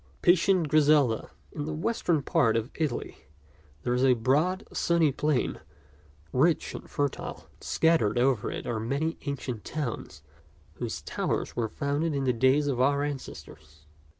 PATIENT GRISELDA IN the western part of Italy there is a broad, sunny plain, rich and fertile, and scattered over it are many ancient towns whose towers were founded in the days of our ancestors.